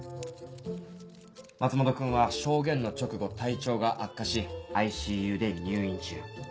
松本君は証言の直後体調が悪化しＩＣＵで入院中。